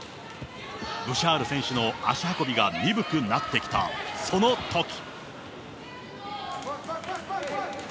ブシャール選手の足運びが鈍くなってきた、そのとき。